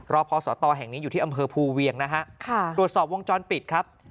รอพศตแห่งนี้อยู่ที่อำเภอภูเวียงนะฮะ